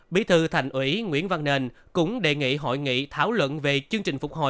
bí thư thành ủy nguyễn văn nền cũng đề nghị hội nghị thảo luận về chương trình phục hồi